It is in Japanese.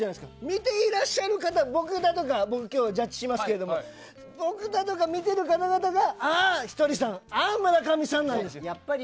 見ていらっしゃる方、僕は今日ジャッジしますけど僕とか見ている方々があー、ひとりさんあー、村上さんなんですよ。